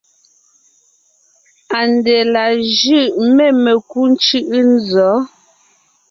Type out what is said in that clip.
ANDÈ la jʉ̂ʼ mê mekú ńcʉ̂ʼʉ nzɔ̌?